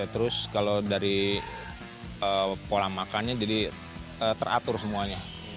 terus kalau dari pola makannya jadi teratur semuanya